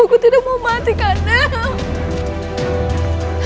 aku tidak mau mati karena